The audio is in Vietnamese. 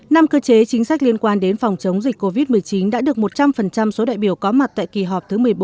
năm cơ chế chính sách liên quan đến phòng chống dịch covid một mươi chín đã được một trăm linh số đại biểu có mặt tại kỳ họp thứ một mươi bốn